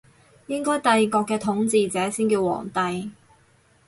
應該帝國嘅統治者先叫皇帝